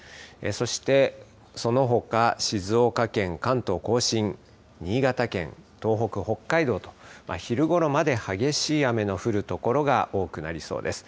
そして、そのほか、静岡県、関東甲信、新潟県、東北、北海道と、昼ごろまで激しい雨の降る所が多くなりそうです。